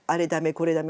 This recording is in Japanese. これダメ